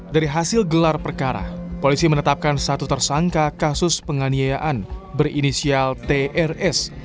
dari hasil gelar perkara polisi menetapkan satu tersangka kasus penganiayaan berinisial trs